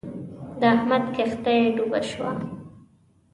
د احمد کښتی ډوبه شوه.